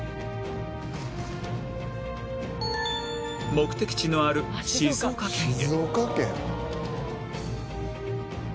目的地のある静岡県へ